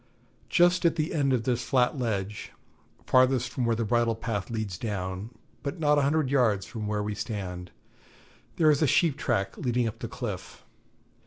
Just at the end of this flat ledge, farthest from where the bridle path leads down, but not a hundred yards from where we stand, there is a sheep track leading up the cliff.